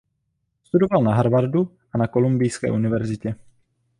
Studoval na Harvardu a na Kolumbijské univerzitě.